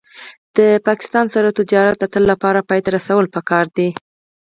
د پاکستان سره سوداګري د تل لپاره پای ته رسول پکار دي